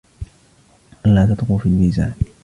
ألا تطغوا في الميزان